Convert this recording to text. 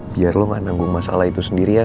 biar lo gak nanggung masalah itu sendirian